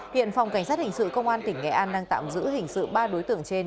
hiện phòng cảnh sát hình sự công an tỉnh nghệ an đang tạm giữ hình sự ba đối tượng trên